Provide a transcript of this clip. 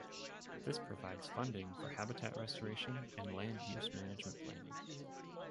This provides funding for habitat restoration and land use management planning.